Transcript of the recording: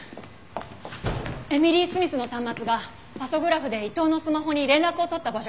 エミリー・スミスの端末がパソグラフで伊藤のスマホに連絡を取った場所がわかりました。